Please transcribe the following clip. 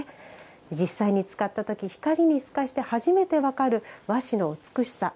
実際に使った時光に透かして初めて分かる和紙の美しさ。